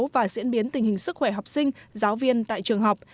và diễn biến tình hình sức khỏe học sinh giáo viên tại trường học